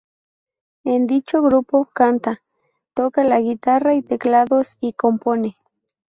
En dicho grupo canta, toca la guitarra y teclados y compone.